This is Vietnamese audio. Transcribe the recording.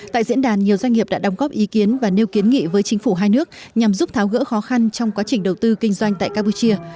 tại diễn đàn nhiều doanh nghiệp đã đóng góp ý kiến và nêu kiến nghị với chính phủ hai nước nhằm giúp tháo gỡ khó khăn trong quá trình đầu tư kinh doanh tại campuchia